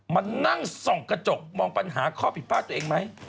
มานั่งส่องกระจกมองปัญหาข้อผิดพลาดตัวเองไหม